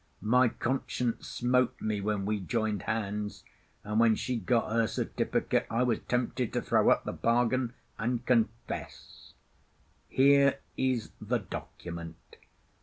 My conscience smote me when we joined hands; and when she got her certificate I was tempted to throw up the bargain and confess. Here is the document.